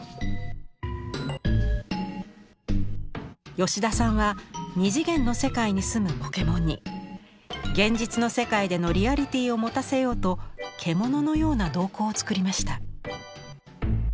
吉田さんは２次元の世界に住むポケモンに現実の世界でのリアリティーを持たせようと獣のような瞳孔を作りました。